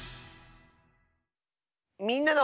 「みんなの」。